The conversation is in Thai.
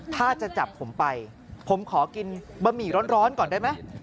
ถ้าจะจับผมไปผมขอกินบะหมี่ร้อนก่อนได้ไหม